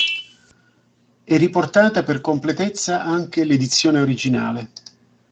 È riportata per completezza anche l'edizione originale.